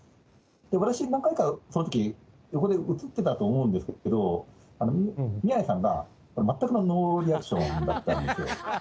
私、何回かこのとき、横で写ってたと思うんですけど、宮根さんが、全くのノーリアクションだったんですよ。